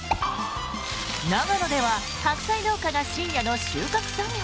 長野ではハクサイ農家が深夜の収穫作業。